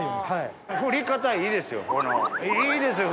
振り方いいですよ